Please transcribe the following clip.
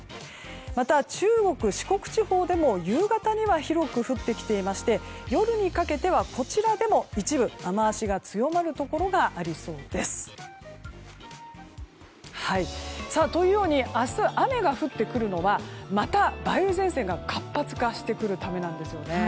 また、中国・四国地方でも夕方には広く降ってきていまして夜にかけては、こちらでも一部、雨脚が強まるところがありそうです。というように明日、雨が降ってくるのはまた梅雨前線が活発化してくるためなんですね。